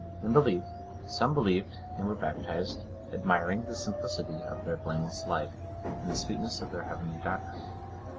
In brief, some believed and were baptized, admiring the simplicity of their blameless life, and the sweetness of their heavenly doctrine.